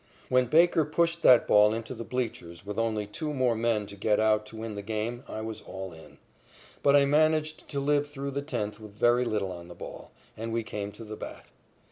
When Baker pushed that ball into the bleachers with only two more men to get out to win the game, I was all in. But I managed to live through the tenth with very little on the ball, and we came to the bat.